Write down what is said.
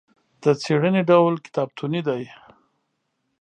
د څېړنې ډول کتابتوني دی.